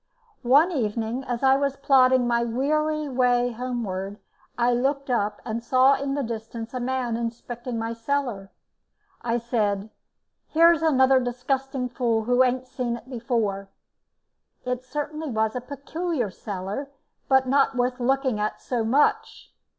One evening as I was plodding my weary way homeward, I looked up and saw in the distance a man inspecting my cellar. I said, "Here's another disgusting fool who ain't seen it before." It certainly was a peculiar cellar, but not worth looking at so much.